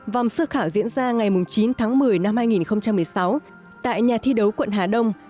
vòng sơ khảo diễn ra ngày chín tháng một mươi năm hai nghìn một mươi sáu tại nhà thi đấu quận hà đông